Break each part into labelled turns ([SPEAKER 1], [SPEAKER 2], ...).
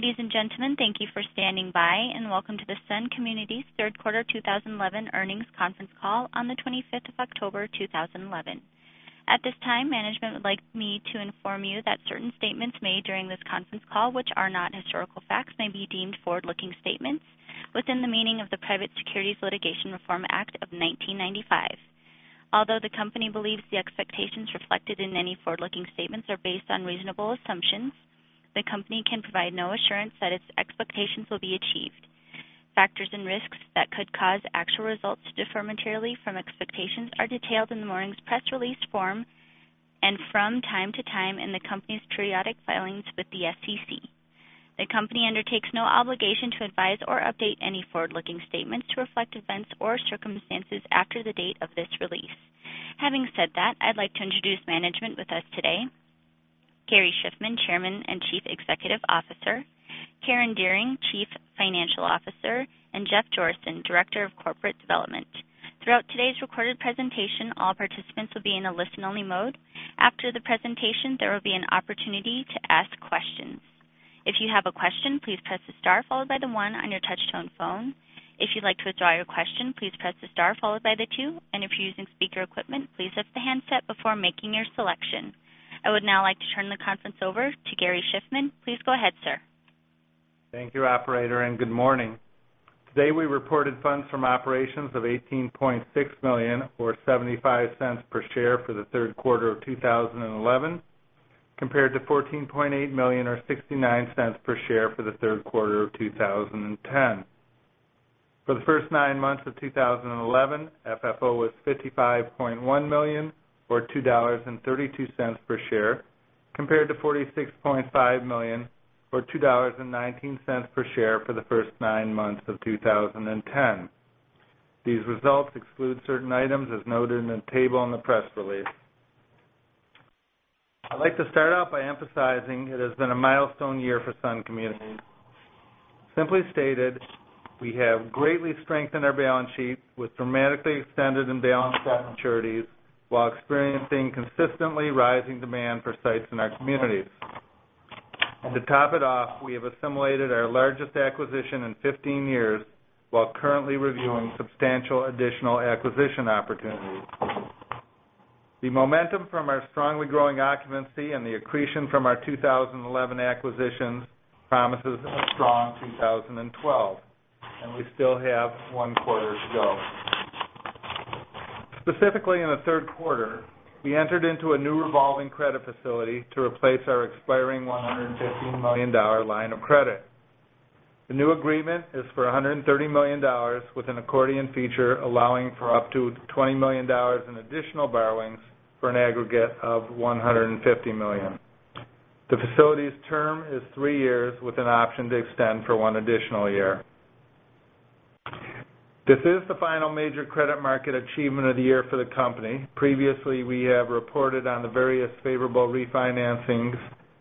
[SPEAKER 1] Ladies and gentlemen, thank you for standing by and welcome to the Sun Communities Third Quarter 2011 Earnings Conference Call on the 25th of October 2011. At this time, management would like me to inform you that certain statements made during this conference call, which are not historical facts, may be deemed forward-looking statements within the meaning of the Private Securities Litigation Reform Act of 1995. Although the company believes the expectations reflected in any forward-looking statements are based on reasonable assumptions, the company can provide no assurance that its expectations will be achieved. Factors and risks that could cause actual results to differ materially from expectations are detailed in the morning's press release form and from time to time in the company's periodic filings with the SEC. The company undertakes no obligation to advise or update any forward-looking statements to reflect events or circumstances after the date of this release. Having said that, I'd like to introduce management with us today: Gary Shiffman, Chairman and Chief Executive Officer; Karen Dearing, Chief Financial Officer; and Jeff Jorissen, Director of Corporate Development. Throughout today's recorded presentation, all participants will be in a listen-only mode. After the presentation, there will be an opportunity to ask questions. If you have a question, please press the star followed by the one on your touch-tone phone. If you'd like to withdraw your question, please press the star followed by the two. And if you're using speaker equipment, please lift the handset before making your selection. I would now like to turn the conference over to Gary Shiffman. Please go ahead, sir.
[SPEAKER 2] Thank you, Operator, and good morning. Today we reported Funds from Operations of $18.6 million, or $0.75 per share, for the third quarter of 2011, compared to $14.8 million, or $0.69 per share, for the third quarter of 2010. For the first nine months of 2011, FFO was $55.1 million, or $2.32 per share, compared to $46.5 million, or $2.19 per share, for the first nine months of 2010. These results exclude certain items as noted in the table and the press release. I'd like to start out by emphasizing it has been a milestone year for Sun Communities. Simply stated, we have greatly strengthened our balance sheet with dramatically extended and balanced debt maturities while experiencing consistently rising demand for sites in our communities. To top it off, we have assimilated our largest acquisition in 15 years while currently reviewing substantial additional acquisition opportunities. The momentum from our strongly growing occupancy and the accretion from our 2011 acquisitions promises a strong 2012, and we still have one quarter to go. Specifically, in the third quarter, we entered into a new revolving credit facility to replace our expiring $115 million line of credit. The new agreement is for $130 million with an accordion feature allowing for up to $20 million in additional borrowings for an aggregate of $150 million. The facility's term is three years with an option to extend for one additional year. This is the final major credit market achievement of the year for the company. Previously, we have reported on the various favorable refinancings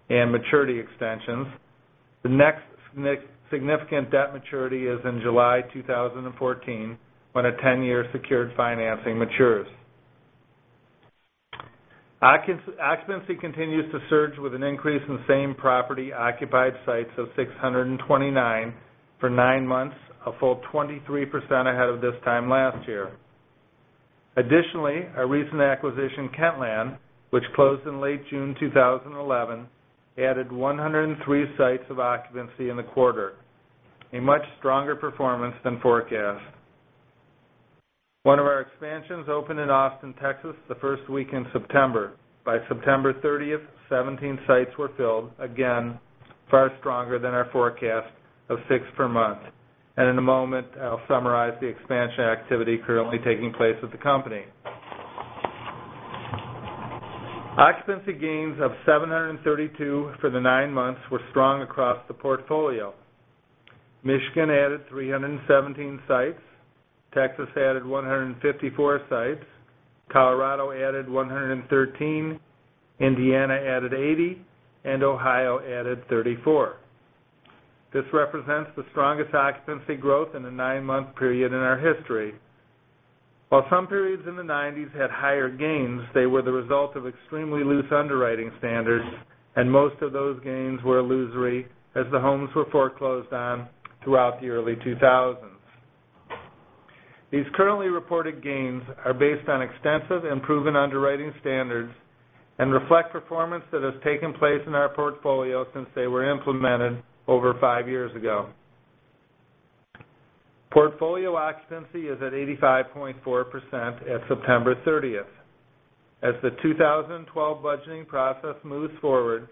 [SPEAKER 2] and maturity extensions. The next significant debt maturity is in July 2014 when a 10-year secured financing matures. Occupancy continues to surge with an increase in same-property occupied sites of 629 for nine months, a full 23% ahead of this time last year. Additionally, our recent acquisition, Kentland, which closed in late June 2011, added 103 sites of occupancy in the quarter, a much stronger performance than forecast. One of our expansions opened in Austin, Texas, the first week in September. By September 30th, 17 sites were filled, again far stronger than our forecast of 6 per month. In a moment, I'll summarize the expansion activity currently taking place at the company. Occupancy gains of 732 for the nine months were strong across the portfolio. Michigan added 317 sites, Texas added 154 sites, Colorado added 113, Indiana added 80, and Ohio added 34. This represents the strongest occupancy growth in a nine-month period in our history. While some periods in the '90s had higher gains, they were the result of extremely loose underwriting standards, and most of those gains were illusory as the homes were foreclosed on throughout the early 2000s. These currently reported gains are based on extensive and proven underwriting standards and reflect performance that has taken place in our portfolio since they were implemented over five years ago. Portfolio occupancy is at 85.4% at September 30th. As the 2012 budgeting process moves forward,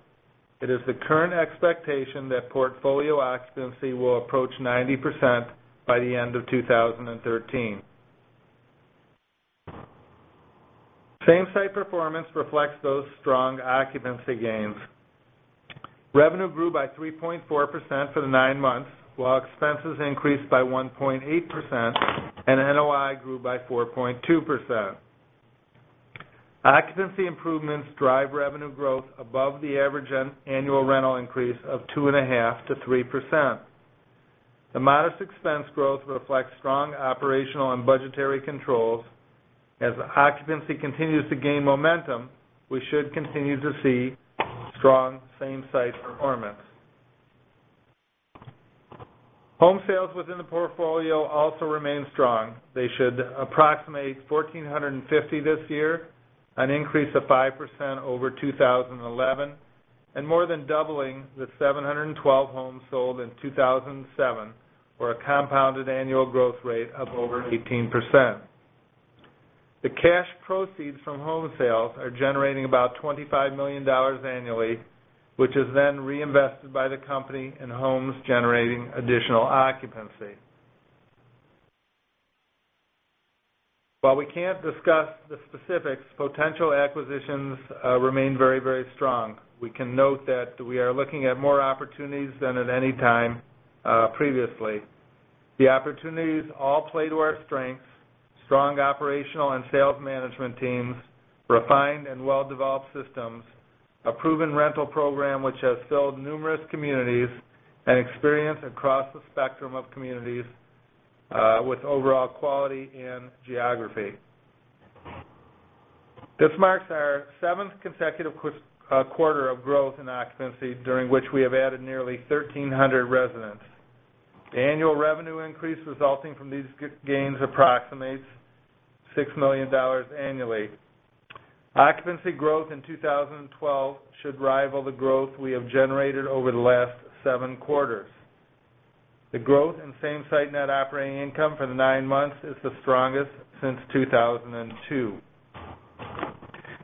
[SPEAKER 2] it is the current expectation that portfolio occupancy will approach 90% by the end of 2013. Same-site performance reflects those strong occupancy gains. Revenue grew by 3.4% for the nine months, while expenses increased by 1.8% and NOI grew by 4.2%. Occupancy improvements drive revenue growth above the average annual rental increase of 2.5%-3%. The modest expense growth reflects strong operational and budgetary controls. As occupancy continues to gain momentum, we should continue to see strong same-site performance. Home sales within the portfolio also remain strong. They should approximate 1,450 this year, an increase of 5% over 2011, and more than doubling the 712 homes sold in 2007, or a compounded annual growth rate of over 18%. The cash proceeds from home sales are generating about $25 million annually, which is then reinvested by the company in homes generating additional occupancy. While we can't discuss the specifics, potential acquisitions remain very, very strong. We can note that we are looking at more opportunities than at any time previously. The opportunities all play to our strengths: strong operational and sales management teams, refined and well-developed systems, a proven rental program which has filled numerous communities, and experience across the spectrum of communities with overall quality and geography. This marks our seventh consecutive quarter of growth in occupancy, during which we have added nearly 1,300 residents. The annual revenue increase resulting from these gains approximates $6 million annually. Occupancy growth in 2012 should rival the growth we have generated over the last seven quarters. The growth in same-site net operating income for the nine months is the strongest since 2002.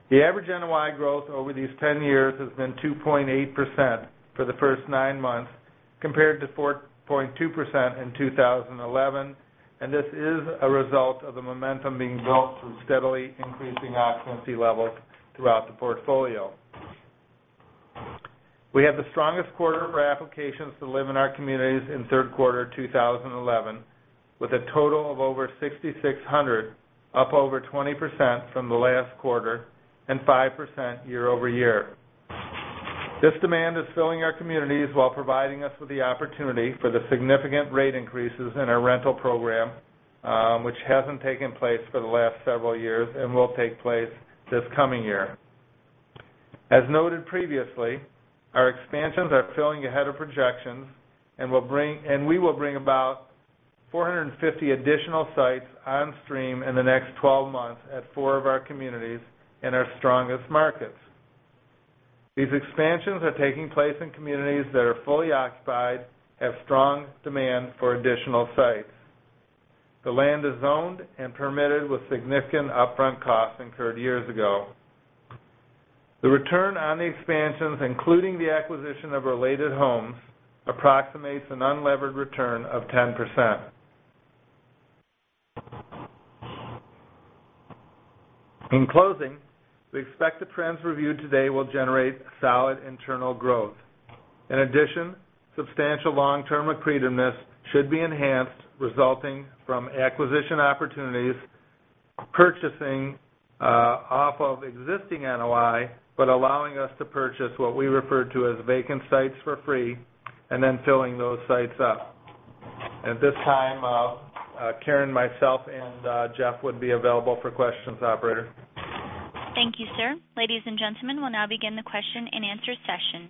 [SPEAKER 2] The average NOI growth over these 10 years has been 2.8% for the first nine months, compared to 4.2% in 2011, and this is a result of the momentum being built through steadily increasing occupancy levels throughout the portfolio. We had the strongest quarter for applications to live in our communities in third quarter 2011, with a total of over 6,600, up over 20% from the last quarter and 5% year-over-year. This demand is filling our communities while providing us with the opportunity for the significant rate increases in our rental program, which hasn't taken place for the last several years and will take place this coming year. As noted previously, our expansions are filling ahead of projections, and we will bring about 450 additional sites on stream in the next 12 months at four of our communities in our strongest markets. These expansions are taking place in communities that are fully occupied, have strong demand for additional sites. The land is zoned and permitted with significant upfront costs incurred years ago. The return on the expansions, including the acquisition of related homes, approximates an unlevered return of 10%. In closing, we expect the trends reviewed today will generate solid internal growth. In addition, substantial long-term accretiveness should be enhanced, resulting from acquisition opportunities, purchasing off of existing NOI but allowing us to purchase what we refer to as vacant sites for free and then filling those sites up. At this time, Karen, myself, and Jeff would be available for questions, Operator.
[SPEAKER 1] Thank you, sir. Ladies and gentlemen, we'll now begin the question and answer session.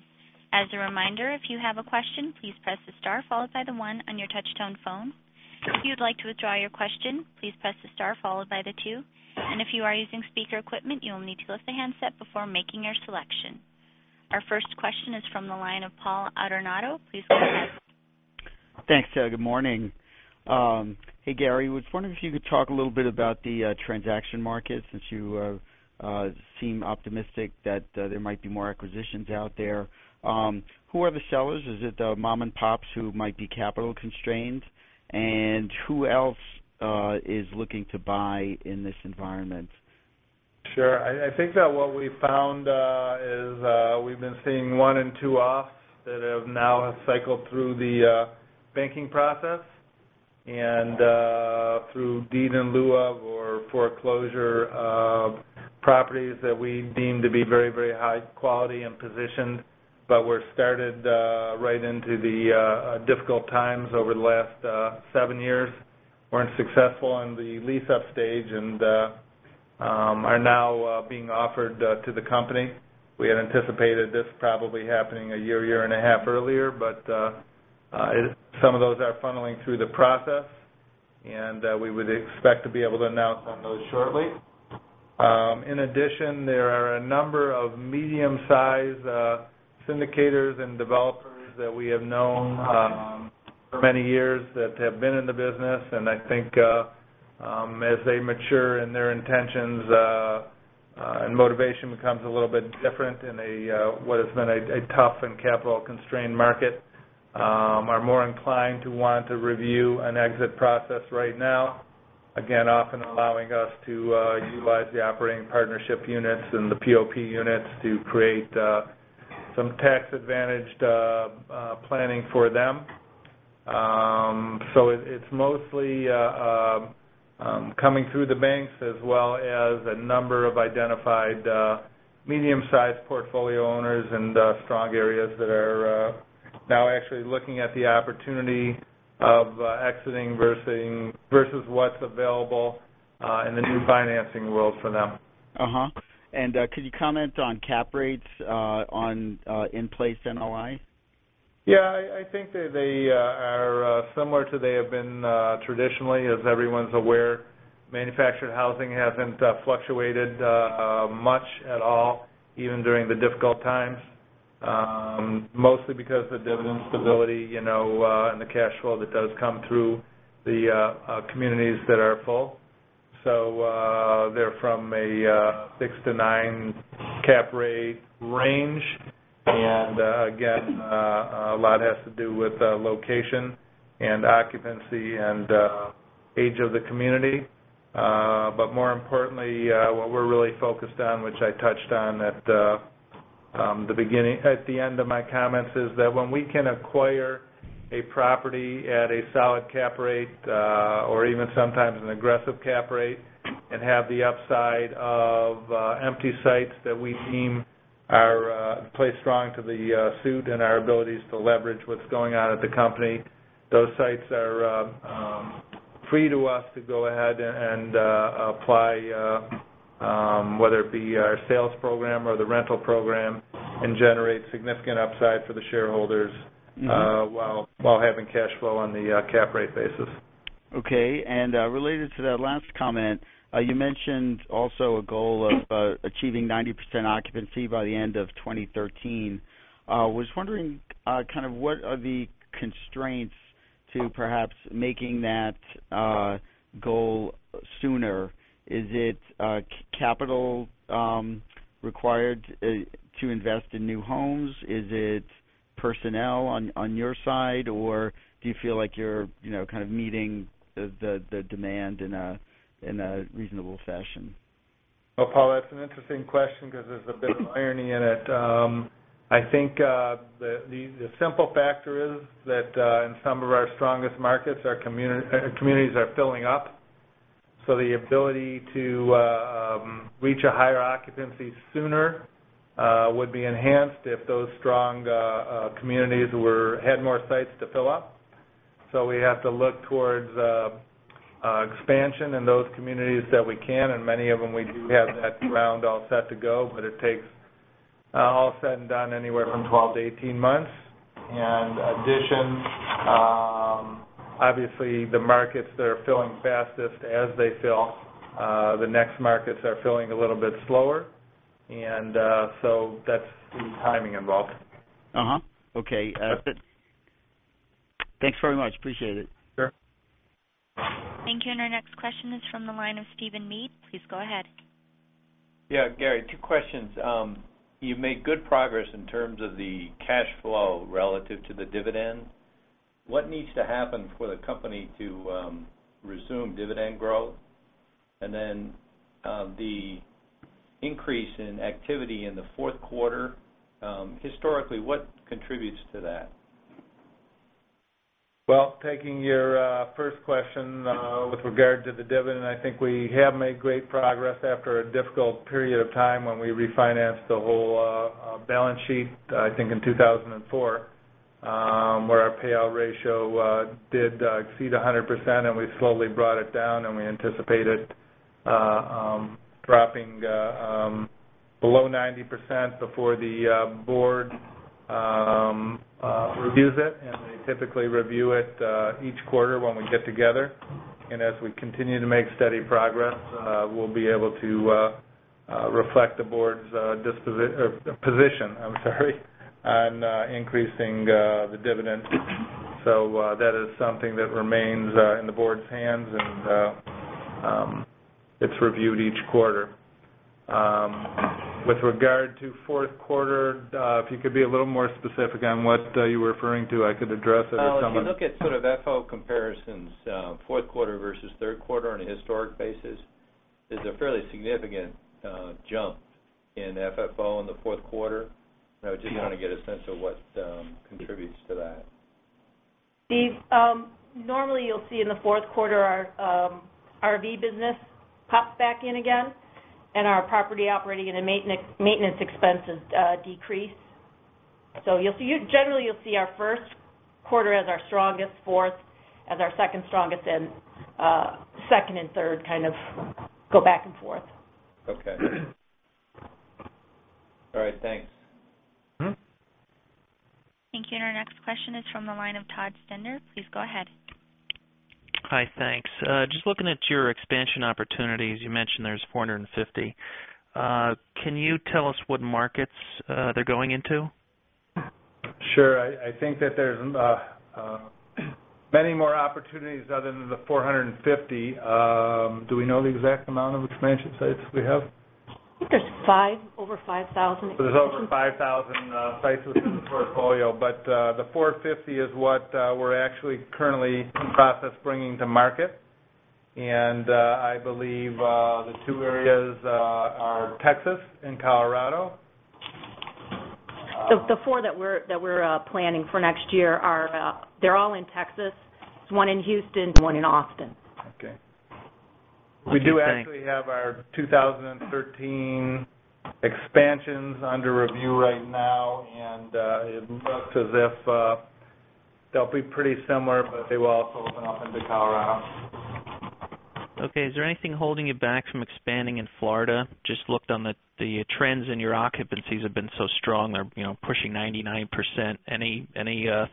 [SPEAKER 1] As a reminder, if you have a question, please press the star followed by the one on your touch-tone phone. If you'd like to withdraw your question, please press the star followed by the two. If you are using speaker equipment, you will need to lift the handset before making your selection. Our first question is from the line of Paul Adornato. Please go ahead.
[SPEAKER 3] Thanks, Ted. Good morning. Hey, Gary, I was wondering if you could talk a little bit about the transaction market since you seem optimistic that there might be more acquisitions out there. Who are the sellers? Is it the mom and pops who might be capital constrained? And who else is looking to buy in this environment?
[SPEAKER 2] Sure. I think that what we found is we've been seeing one and two offs that have now cycled through the banking process and through deed in lieu of or foreclosure properties that we deem to be very, very high quality and positioned, but were started right into the difficult times over the last seven years. Weren't successful in the lease-up stage and are now being offered to the company. We had anticipated this probably happening a year, year and a half earlier, but some of those are funneling through the process, and we would expect to be able to announce on those shortly. In addition, there are a number of medium-sized syndicators and developers that we have known for many years that have been in the business, and I think as they mature and their intentions and motivation becomes a little bit different in what has been a tough and capital-constrained market, are more inclined to want to review an exit process right now, again, often allowing us to utilize the operating partnership units and the POP units to create some tax-advantaged planning for them. So it's mostly coming through the banks as well as a number of identified medium-sized portfolio owners and strong areas that are now actually looking at the opportunity of exiting versus what's available in the new financing world for them.
[SPEAKER 3] Could you comment on cap rates in place NOI?
[SPEAKER 2] Yeah. I think they are similar to they have been traditionally, as everyone's aware. Manufactured Housing hasn't fluctuated much at all, even during the difficult times, mostly because of the dividend stability and the cash flow that does come through the communities that are full. So they're from a 6-9 cap rate range. And again, a lot has to do with location and occupancy and age of the community. But more importantly, what we're really focused on, which I touched on at the end of my comments, is that when we can acquire a property at a solid cap rate or even sometimes an aggressive cap rate and have the upside of empty sites that we deem play strong to the suit and our abilities to leverage what's going on at the company, those sites are free to us to go ahead and apply, whether it be our sales program or the rental program, and generate significant upside for the shareholders while having cash flow on the cap rate basis.
[SPEAKER 3] Okay. Related to that last comment, you mentioned also a goal of achieving 90% occupancy by the end of 2013. I was wondering kind of what are the constraints to perhaps making that goal sooner. Is it capital required to invest in new homes? Is it personnel on your side, or do you feel like you're kind of meeting the demand in a reasonable fashion?
[SPEAKER 2] Well, Paul, that's an interesting question because there's a bit of irony in it. I think the simple factor is that in some of our strongest markets, our communities are filling up. So the ability to reach a higher occupancy sooner would be enhanced if those strong communities had more sites to fill up. So we have to look towards expansion in those communities that we can, and many of them we do have that ground all set to go, but it takes all said and done anywhere from 12-18 months. In addition, obviously, the markets that are filling fastest, as they fill, the next markets are filling a little bit slower. And so that's the timing involved.
[SPEAKER 3] Okay. Thanks very much. Appreciate it.
[SPEAKER 2] Sure.
[SPEAKER 1] Thank you. Our next question is from the line of Stephen Swett. Please go ahead.
[SPEAKER 4] Yeah. Gary, two questions. You've made good progress in terms of the cash flow relative to the dividend. What needs to happen for the company to resume dividend growth? And then the increase in activity in the fourth quarter, historically, what contributes to that?
[SPEAKER 2] Well, taking your first question with regard to the dividend, I think we have made great progress after a difficult period of time when we refinanced the whole balance sheet, I think in 2004, where our payout ratio did exceed 100%, and we slowly brought it down, and we anticipated dropping below 90% before the board reviews it. They typically review it each quarter when we get together. As we continue to make steady progress, we'll be able to reflect the board's position, I'm sorry, on increasing the dividend. That is something that remains in the board's hands, and it's reviewed each quarter. With regard to fourth quarter, if you could be a little more specific on what you were referring to, I could address it or someone.
[SPEAKER 4] If you look at sort of FFO comparisons, fourth quarter versus third quarter on a historic basis, there's a fairly significant jump in FFO in the fourth quarter. I would just want to get a sense of what contributes to that.
[SPEAKER 5] Steve, normally you'll see in the fourth quarter our RV business pops back in again, and our property operating and maintenance expenses decrease. Generally, you'll see our first quarter as our strongest, fourth as our second strongest, and second and third kind of go back and forth.
[SPEAKER 4] Okay. All right. Thanks.
[SPEAKER 1] Thank you. And our next question is from the line of Todd Stender. Please go ahead.
[SPEAKER 6] Hi. Thanks. Just looking at your expansion opportunities, you mentioned there's 450. Can you tell us what markets they're going into?
[SPEAKER 2] Sure. I think that there's many more opportunities other than the 450. Do we know the exact amount of expansion sites we have?
[SPEAKER 5] I think there's over 5,000.
[SPEAKER 2] There's over 5,000 sites within the portfolio, but the 450 is what we're actually currently in the process of bringing to market. I believe the two areas are Texas and Colorado.
[SPEAKER 5] The four that we're planning for next year, they're all in Texas. There's one in Houston and one in Austin.
[SPEAKER 6] Okay.
[SPEAKER 2] We do actually have our 2013 expansions under review right now, and it looks as if they'll be pretty similar, but they will also open up into Colorado.
[SPEAKER 6] Okay. Is there anything holding you back from expanding in Florida? Just looked on the trends in your occupancies have been so strong. They're pushing 99%. Any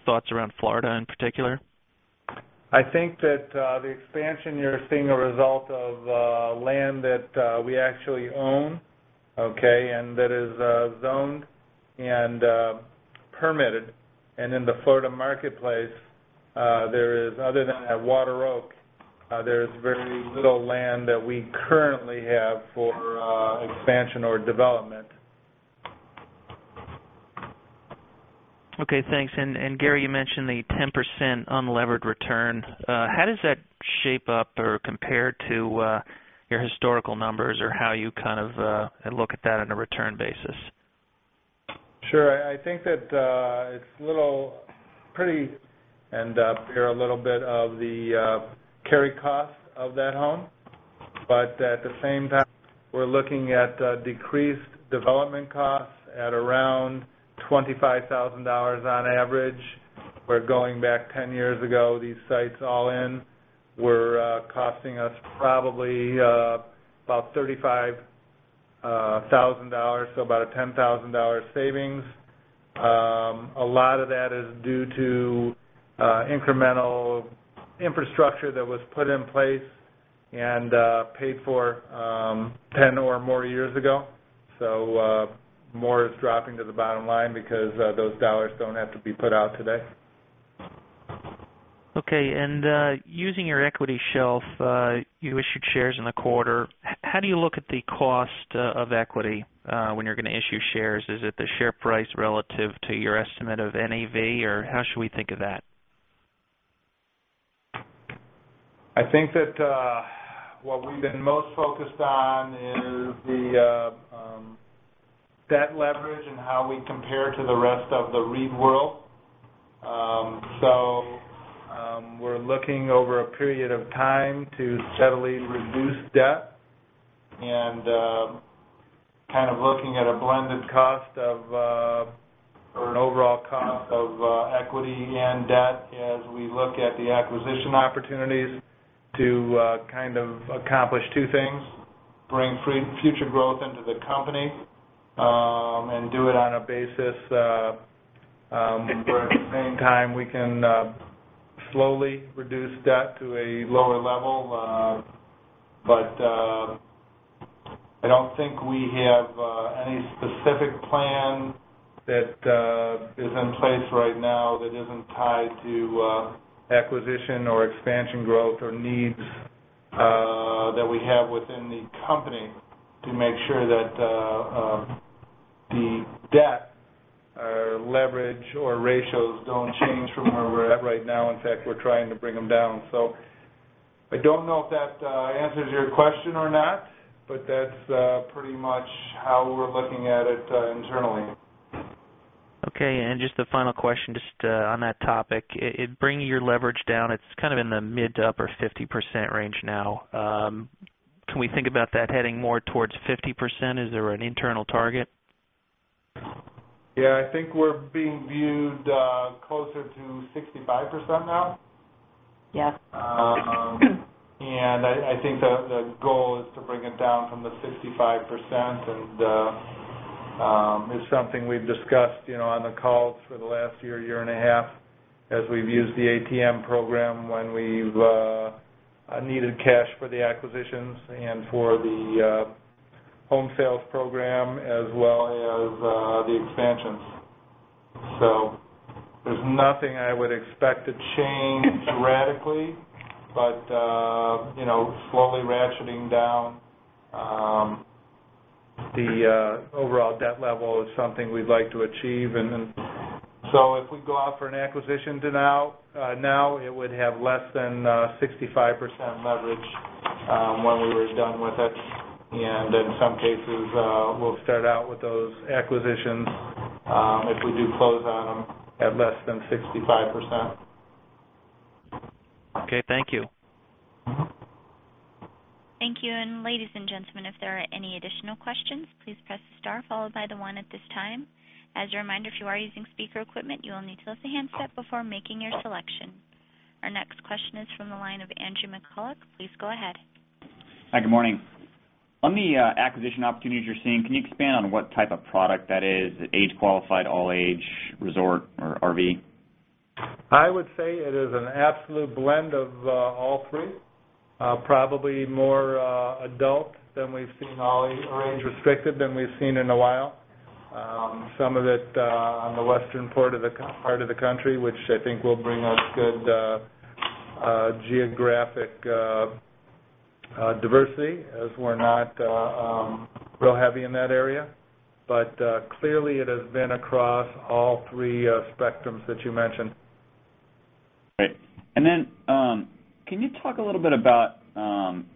[SPEAKER 6] thoughts around Florida in particular?
[SPEAKER 2] I think that the expansion you're seeing is a result of land that we actually own, okay, and that is zoned and permitted. In the Florida marketplace, other than at Water Oak, there's very little land that we currently have for expansion or development.
[SPEAKER 6] Okay. Thanks. And Gary, you mentioned the 10% unlevered return. How does that shape up or compare to your historical numbers or how you kind of look at that on a return basis?
[SPEAKER 2] Sure. I think that it's prudent to bear a little bit of the carry cost of that home. But at the same time, we're looking at decreased development costs at around $25,000 on average. We're going back 10 years ago. These sites all in were costing us probably about $35,000, so about a $10,000 savings. A lot of that is due to incremental infrastructure that was put in place and paid for 10 or more years ago. So more is dropping to the bottom line because those dollars don't have to be put out today.
[SPEAKER 6] Okay. Using your equity shelf, you issued shares in the quarter. How do you look at the cost of equity when you're going to issue shares? Is it the share price relative to your estimate of NAV, or how should we think of that?
[SPEAKER 2] I think that what we've been most focused on is that leverage and how we compare to the rest of the REIT world. So we're looking over a period of time to steadily reduce debt and kind of looking at a blended cost of or an overall cost of equity and debt as we look at the acquisition opportunities to kind of accomplish two things: bring future growth into the company and do it on a basis where, at the same time, we can slowly reduce debt to a lower level. But I don't think we have any specific plan that is in place right now that isn't tied to acquisition or expansion growth or needs that we have within the company to make sure that the debt leverage or ratios don't change from where we're at right now. In fact, we're trying to bring them down. I don't know if that answers your question or not, but that's pretty much how we're looking at it internally.
[SPEAKER 6] Okay. And just the final question just on that topic. Bringing your leverage down, it's kind of in the mid to upper 50% range now. Can we think about that heading more towards 50%? Is there an internal target?
[SPEAKER 2] Yeah. I think we're being viewed closer to 65% now. And I think the goal is to bring it down from the 65%. And it's something we've discussed on the calls for the last year, year and a half, as we've used the ATM program when we've needed cash for the acquisitions and for the home sales program as well as the expansions. So there's nothing I would expect to change radically, but slowly ratcheting down the overall debt level is something we'd like to achieve. And so if we go out for an acquisition now, it would have less than 65% leverage when we were done with it. And in some cases, we'll start out with those acquisitions if we do close on them at less than 65%.
[SPEAKER 6] Okay. Thank you.
[SPEAKER 1] Thank you. Ladies and gentlemen, if there are any additional questions, please press star followed by the one at this time. As a reminder, if you are using speaker equipment, you will need to lift the handset before making your selection. Our next question is from the line of Andrew McCulloch. Please go ahead.
[SPEAKER 7] Hi. Good morning. On the acquisition opportunities you're seeing, can you expand on what type of product that is? Age-qualified, all-age, resort, or RV?
[SPEAKER 2] I would say it is an absolute blend of all three. Probably more adult than we've seen, all-age restricted than we've seen in a while. Some of it on the western part of the country, which I think will bring us good geographic diversity as we're not real heavy in that area. But clearly, it has been across all three spectrums that you mentioned.
[SPEAKER 7] Great. Then can you talk a little bit about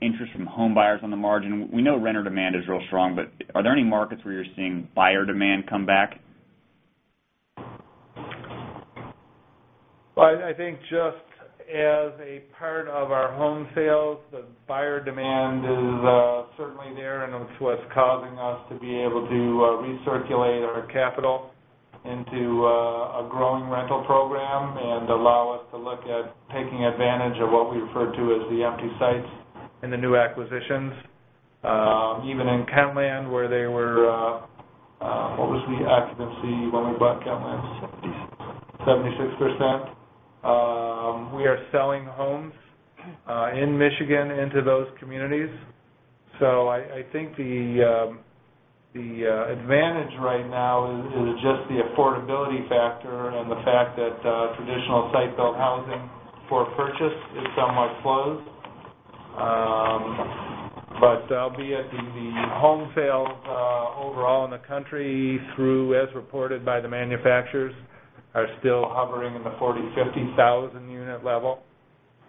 [SPEAKER 7] interest from home buyers on the margin? We know renter demand is real strong, but are there any markets where you're seeing buyer demand come back?
[SPEAKER 2] Well, I think just as a part of our home sales, the buyer demand is certainly there, and it's what's causing us to be able to recirculate our capital into a growing rental program and allow us to look at taking advantage of what we refer to as the empty sites and the new acquisitions. Even in Kentland, where they were—what was the occupancy when we bought Kentland?
[SPEAKER 7] 76.
[SPEAKER 2] 76%. We are selling homes in Michigan into those communities. So I think the advantage right now is just the affordability factor and the fact that traditional site-built housing for purchase is somewhat closed. But albeit the home sales overall in the country, as reported by the manufacturers, are still hovering in the 40,000, 50,000 unit level.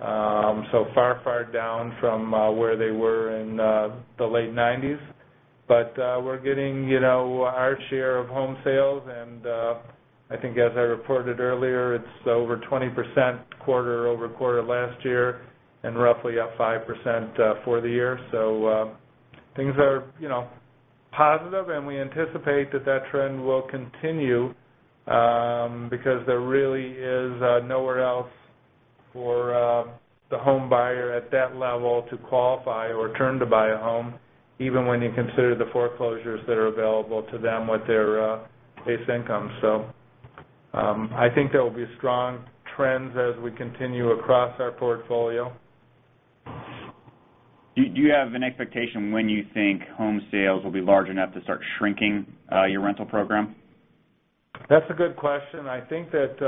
[SPEAKER 2] So far, far down from where they were in the late 1990s. But we're getting our share of home sales, and I think as I reported earlier, it's over 20% quarter-over-quarter last year and roughly up 5% for the year. So things are positive, and we anticipate that that trend will continue because there really is nowhere else for the home buyer at that level to qualify or turn to buy a home, even when you consider the foreclosures that are available to them with their base income. I think there will be strong trends as we continue across our portfolio.
[SPEAKER 7] Do you have an expectation when you think home sales will be large enough to start shrinking your rental program?
[SPEAKER 2] That's a good question. I think that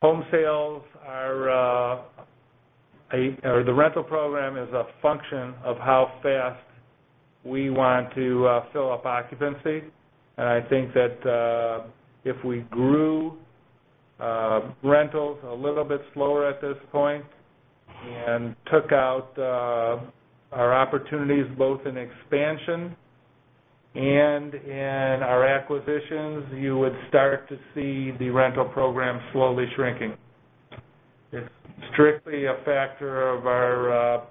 [SPEAKER 2] home sales are, or the rental program is a function of how fast we want to fill up occupancy. I think that if we grew rentals a little bit slower at this point and took out our opportunities both in expansion and in our acquisitions, you would start to see the rental program slowly shrinking. It's strictly a factor of our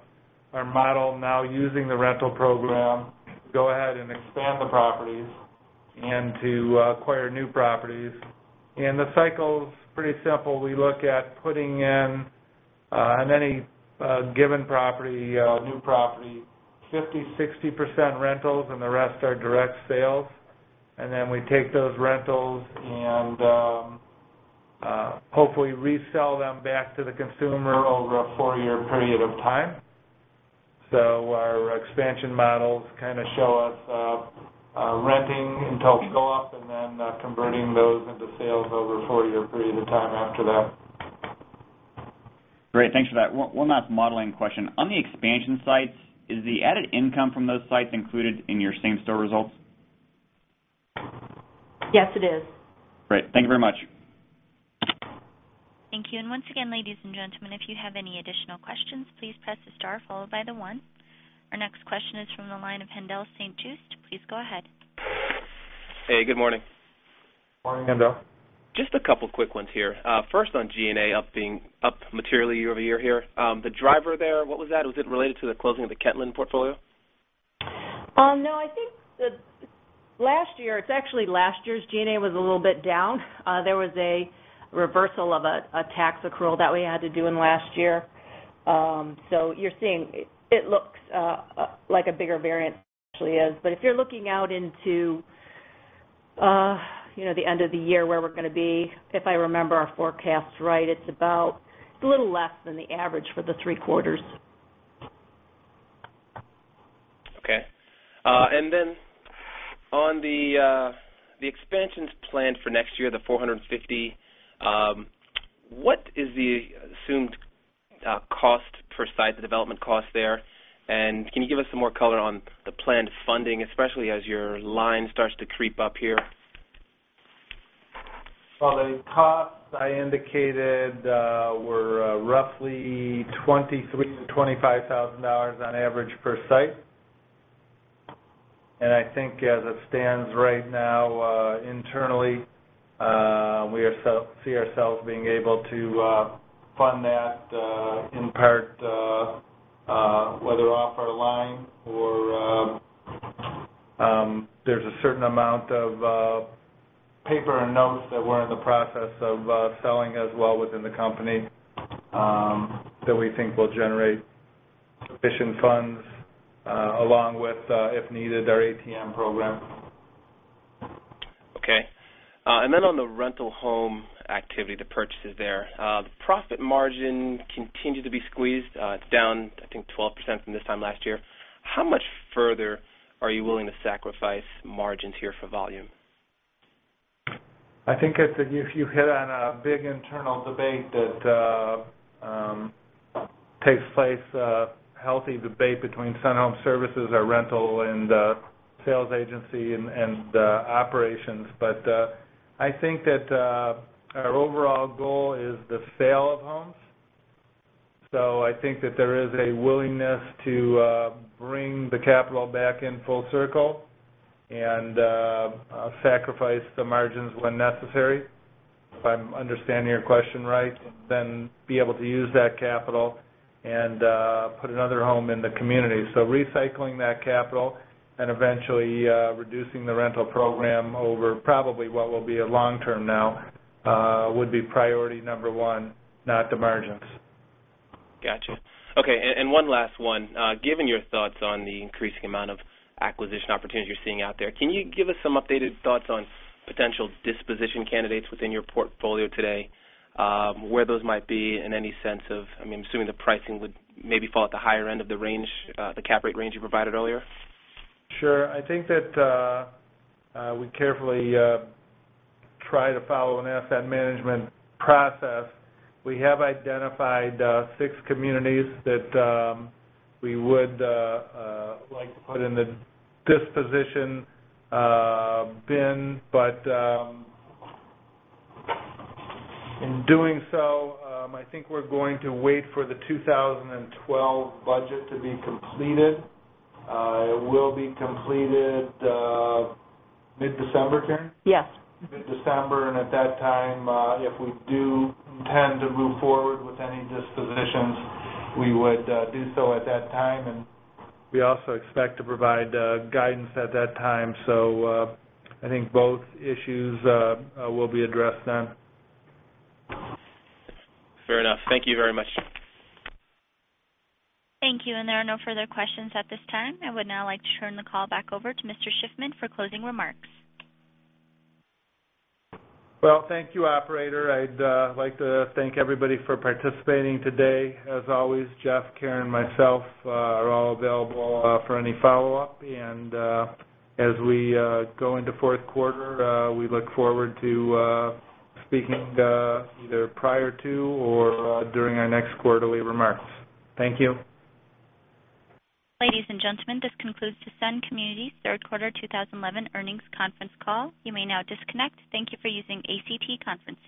[SPEAKER 2] model now using the rental program to go ahead and expand the properties and to acquire new properties. The cycle's pretty simple. We look at putting in, on any given property, a new property, 50%-60% rentals, and the rest are direct sales. Then we take those rentals and hopefully resell them back to the consumer over a four-year period of time. Our expansion models kind of show us renting until we go up and then converting those into sales over a four-year period of time after that.
[SPEAKER 7] Great. Thanks for that. One last modeling question. On the expansion sites, is the added income from those sites included in your same-store results?
[SPEAKER 5] Yes, it is.
[SPEAKER 7] Great. Thank you very much.
[SPEAKER 1] Thank you. And once again, ladies and gentlemen, if you have any additional questions, please press star followed by the one. Our next question is from the line of Haendel St. Juste. Please go ahead.
[SPEAKER 8] Hey. Good morning.
[SPEAKER 2] Morning, Haendel.
[SPEAKER 8] Just a couple of quick ones here. First on G&A up materially year over year here. The driver there, what was that? Was it related to the closing of the Kentland portfolio?
[SPEAKER 5] No. I think last year, it's actually last year's G&A was a little bit down. There was a reversal of a tax accrual that we had to do in last year. So you're seeing it looks like a bigger variance than it actually is. But if you're looking out into the end of the year where we're going to be, if I remember our forecast right, it's a little less than the average for the three quarters.
[SPEAKER 8] Okay. And then on the expansions planned for next year, the 450, what is the assumed cost per site, the development cost there? And can you give us some more color on the planned funding, especially as your line starts to creep up here?
[SPEAKER 2] Well, the costs I indicated were roughly $23,000-$25,000 on average per site. I think as it stands right now internally, we see ourselves being able to fund that in part whether off our line or there's a certain amount of paper and notes that we're in the process of selling as well within the company that we think will generate sufficient funds along with, if needed, our ATM program.
[SPEAKER 8] Okay. And then on the rental home activity, the purchases there, the profit margin continued to be squeezed. It's down, I think, 12% from this time last year. How much further are you willing to sacrifice margins here for volume?
[SPEAKER 2] I think you hit on a big internal debate that takes place, a healthy debate between Sun Home Services, our rental and sales agency, and operations. But I think that our overall goal is the sale of homes. So I think that there is a willingness to bring the capital back in full circle and sacrifice the margins when necessary. If I'm understanding your question right, then be able to use that capital and put another home in the community. So recycling that capital and eventually reducing the rental program over probably what will be a long term now would be priority number one, not the margins.
[SPEAKER 8] Gotcha. Okay. And one last one. Given your thoughts on the increasing amount of acquisition opportunities you're seeing out there, can you give us some updated thoughts on potential disposition candidates within your portfolio today, where those might be in any sense of, I mean, I'm assuming the pricing would maybe fall at the higher end of the range, the cap rate range you provided earlier?
[SPEAKER 2] Sure. I think that we carefully try to follow an asset management process. We have identified six communities that we would like to put in the disposition bin. But in doing so, I think we're going to wait for the 2012 budget to be completed. It will be completed mid-December, Karen?
[SPEAKER 5] Yes.
[SPEAKER 2] Mid-December. At that time, if we do intend to move forward with any dispositions, we would do so at that time. We also expect to provide guidance at that time. I think both issues will be addressed then.
[SPEAKER 8] Fair enough. Thank you very much.
[SPEAKER 1] Thank you. There are no further questions at this time. I would now like to turn the call back over to Mr. Shiffman for closing remarks.
[SPEAKER 2] Well, thank you, operator. I'd like to thank everybody for participating today. As always, Jeff, Karen, and myself are all available for any follow-up. And as we go into fourth quarter, we look forward to speaking either prior to or during our next quarterly remarks. Thank you.
[SPEAKER 1] Ladies and gentlemen, this concludes the Sun Communities Third Quarter 2011 Earnings Conference Call. You may now disconnect. Thank you for using ACT Conferencing.